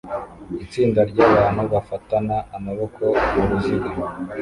Itsinda ryabantu bafatana amaboko muruziga